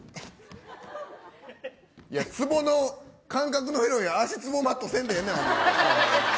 いや、つぼの感覚の足つぼマットせんでええねん。